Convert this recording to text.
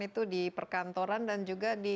itu di perkantoran dan juga di